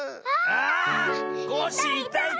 あコッシーいたいた。